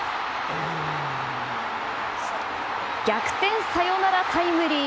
逆転サヨナラタイムリー！